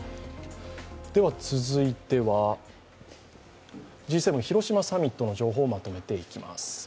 続いてはＧ７広島サミットの情報をまとめていきます。